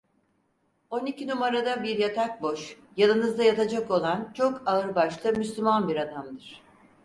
On iki numarada bir yatak boş, yanınızda yatacak olan çok ağırbaşlı, Müslüman bir adamdır.